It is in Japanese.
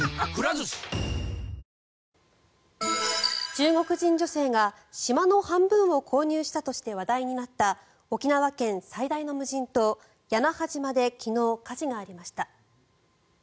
中国人女性が島の半分を購入したとして話題になった沖縄県最大の無人島、屋那覇島で昨日、火事がありました。